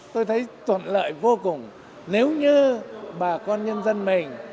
tôi thấy thuận lợi vô cùng nếu như bà con nhân dân mình